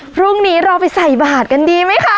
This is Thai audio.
พรุ่งนี้เราไปใส่บาทกันดีไหมคะ